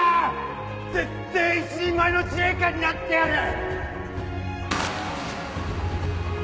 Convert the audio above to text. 絶対一人前の自衛官になってやる！